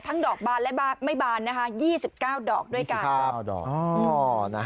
ดอกบานและไม่บานนะคะ๒๙ดอกด้วยกัน๙ดอก